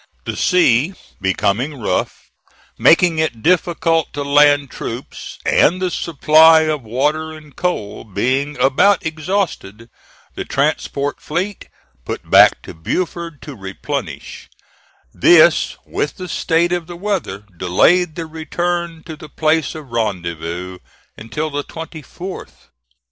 The sea becoming rough, making it difficult to land troops, and the supply of water and coal being about exhausted, the transport fleet put back to Beaufort to replenish; this, with the state of the weather, delayed the return to the place of rendezvous until the 24th.